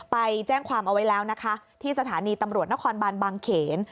ไปแจ้งความเอาไว้แล้วนะคะที่สถานีตำรวจนครบานบางเขน